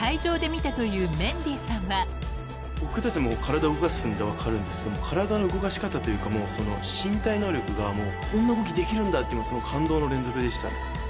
僕たちも体動かすんで分かるんですけど体の動かし方というかもうその身体能力が「こんな動きできるんだ」っていう感動の連続でしたね。